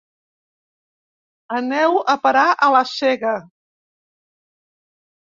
Aneu a parar a la sega.